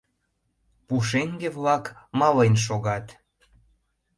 Пушеҥге-влак мален шогат.